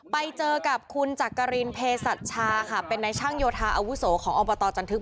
ไปเจอกับคุณจักรินเพศัชชาค่ะเป็นนายช่างโยธาอาวุโสของอบตจันทึก